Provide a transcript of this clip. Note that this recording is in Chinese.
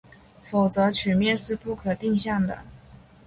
否则曲面是不可定向的。